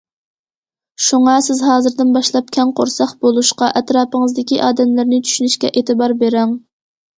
شۇڭا سىز ھازىردىن باشلاپ، كەڭ قورساق بولۇشقا، ئەتراپىڭىزدىكى ئادەملەرنى چۈشىنىشكە ئېتىبار بېرىڭ.